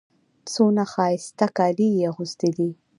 څونه ښایسته کالي يې اغوستي دي.